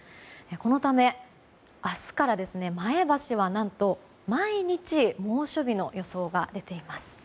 このため明日から前橋は何と毎日、猛暑日の予想が出ています。